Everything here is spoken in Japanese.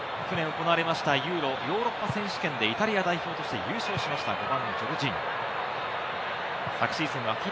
去年行われたユーロヨーロッパ選手権でイタリア代表として優勝しました。